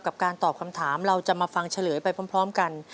การตอบคำถามเราจะมาฟังเฉลยไปพร้อมกัน